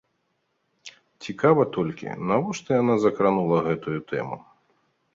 Цікава толькі, навошта яна закранула гэтую тэму.